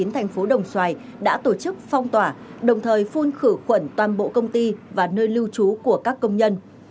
thành phố đồng xoài đã tổ chức phong tỏa đồng thời phun khử khuẩn toàn bộ công ty và nơi lưu trú của các công nhân